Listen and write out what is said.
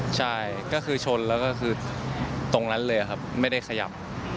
ใช่ก็คือชนแล้วก็คือตรงนั้นเลยครับไม่ได้ขยับ